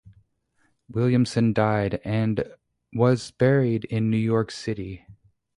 Williamson died and was buried in New York City.